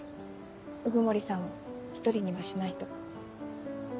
鵜久森さんを独りにはしないと。